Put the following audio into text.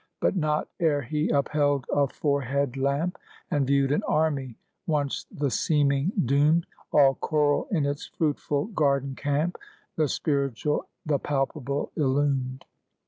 But not ere he upheld a forehead lamp, And viewed an army, once the seeming doomed, All choral in its fruitful garden camp, The spiritual the palpable illumed.